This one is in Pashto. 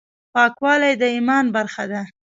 پاکوالي د ايمان برخه ده.